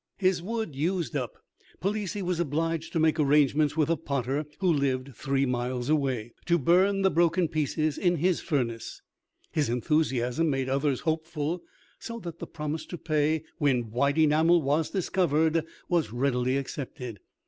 His wood used up, Palissy was obliged to make arrangements with a potter who lived three miles away, to burn the broken pieces in his furnace. His enthusiasm made others hopeful; so that the promise to pay when white enamel was discovered was readily accepted.